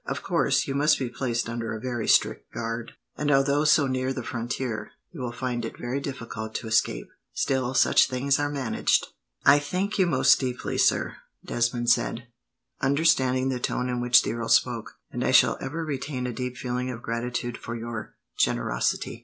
Of course, you must be placed under a very strict guard, and although so near the frontier, you will find it very difficult to escape. Still, such things are managed." "I thank you most deeply, sir," Desmond said, understanding the tone in which the earl spoke, "and I shall ever retain a deep feeling of gratitude for your generosity."